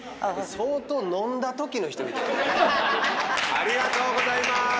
ありがとうございます！